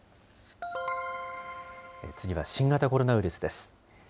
次は新型コロナウイルスです。